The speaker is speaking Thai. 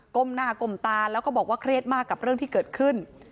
มหน้าก้มตาแล้วก็บอกว่าเครียดมากกับเรื่องที่เกิดขึ้น